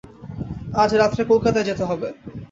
আজ রাত্রে কলকাতায় যেতে হবে।